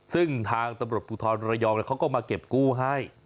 ซึ่งทางตำรวจภูเทาะนรยองล์มันก็มาเก็บกู้ให้